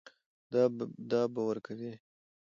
دا به ورکوې.